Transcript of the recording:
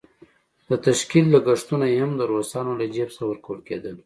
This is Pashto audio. د تشکيل لګښتونه یې هم د روسانو له جېب څخه ورکول کېدل.